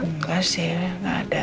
nggak sih nggak ada